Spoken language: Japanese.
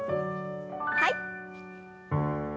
はい。